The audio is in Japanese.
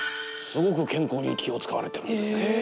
すごく健康に気を使われてるんですね。